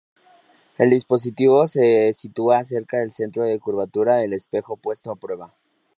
El dispositivo se sitúa cerca del centro de curvatura del espejo puesto a prueba.